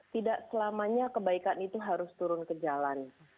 tidak selamanya kebaikan itu harus turun ke jalan